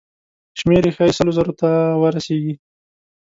شمېر یې ښایي سلو زرو ته ورسیږي.